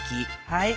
はい。